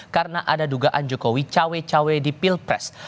karena ada dugaan jokowi cawe cawe di pilpres